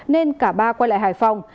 nên cả ba quay lại hải phòng